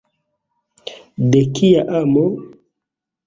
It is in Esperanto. De kia amo?